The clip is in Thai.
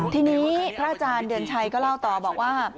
ทีนี้พระอาจารย์เดือนชัยก็เล่าต่อบอกว่า